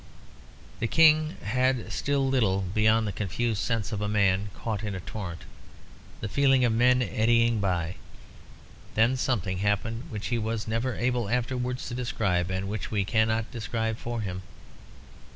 The King had still little beyond the confused sense of a man caught in a torrent the feeling of men eddying by. Then something happened which he was never able afterwards to describe, and which we cannot describe for him.